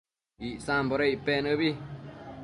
Icsamboda icpec nëbi?